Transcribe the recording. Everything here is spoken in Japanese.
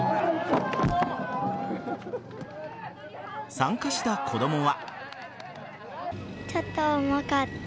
参加した子供は。